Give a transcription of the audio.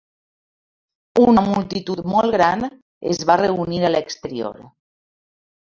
Una multitud molt gran es va reunir a l'exterior.